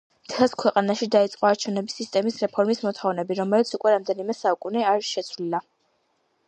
მთელს ქვეყანაში დაიწყო არჩევნების სისტემის რეფორმის მოთხოვნები, რომელიც უკვე რამდენიმე საუკუნე არ შეცვლილა.